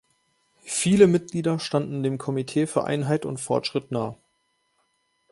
Viele Mitglieder standen dem Komitee für Einheit und Fortschritt nahe.